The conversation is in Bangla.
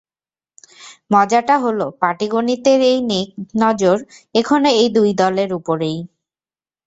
মজাটা হলো, পাটিগণিতের এই নেকনজর এখনো এই দুই দলের ওপরেই।